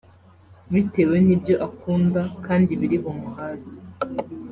bitewe nibyo akunda kandi biri bumuhaze